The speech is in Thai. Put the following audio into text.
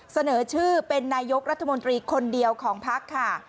เสนอชื่อเป็นนายกรัฐมนตรีคนเดียวของพักค่ะ